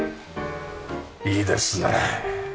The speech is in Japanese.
いいですね。